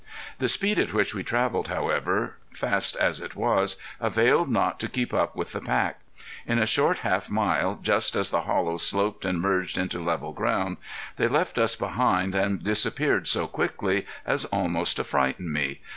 The speed at which we traveled, however, fast as it was, availed not to keep up with the pack. In a short half mile, just as the hollow sloped and merged into level ground, they left us behind and disappeared so quickly as almost to frighten me.